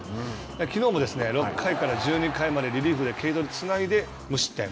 きのうも６回から１２回までリリーフでつないで無失点。